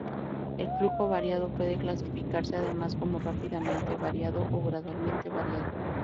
El flujo variado puede clasificarse, además, como rápidamente variado o gradualmente variado.